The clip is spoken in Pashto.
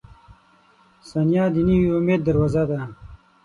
• ثانیه د نوي امید دروازه ده.